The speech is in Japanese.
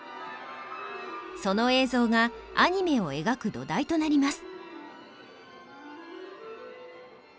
その映像がアニメを描く土台となります。